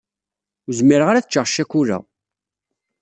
Ur zmireɣ ara ad ččeɣ ccakula.